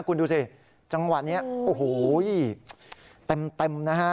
คุณดูสิจังหวะนี้โอ้โหเต็มนะฮะ